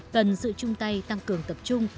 cần giữ chung tay tăng cường tập trung